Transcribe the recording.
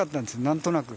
なんとなく。